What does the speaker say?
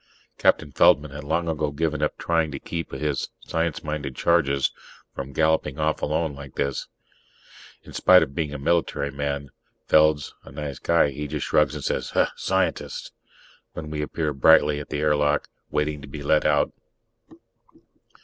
Captain Feldman had long ago given up trying to keep his science minded charges from galloping off alone like this. In spite of being a military man, Feld's a nice guy; he just shrugs and says, "Scientists!" when we appear brightly at the airlock, waiting to be let out.